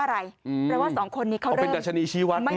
อะไรอืมแปลว่าสองคนนี้เขาเริ่มเป็นดัชณีชีวัตไม่ไป